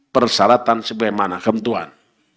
persyaratan sebagaimana kementuan